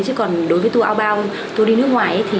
chứ còn đối với tour ao bao tour đi nước ngoài thì